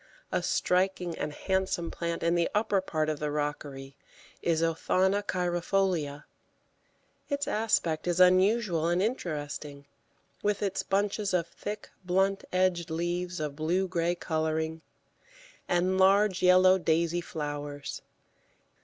A striking and handsome plant in the upper part of the rockery is Othonna cheirifolia; its aspect is unusual and interesting, with its bunches of thick, blunt edged leaves of blue grey colouring, and large yellow daisy flowers.